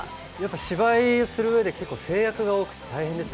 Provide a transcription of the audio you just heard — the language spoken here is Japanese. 芝居するうえで結構制約が多くて大変ですね。